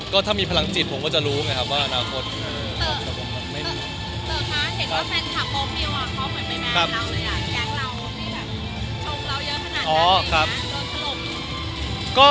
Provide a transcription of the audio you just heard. ก็ถ้ามีพลังจิตผมก็จะรู้ไงครับว่าอนาคต